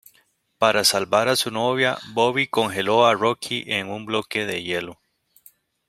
Para salvar a su novia, Bobby congeló a Rocky en un bloque de hielo.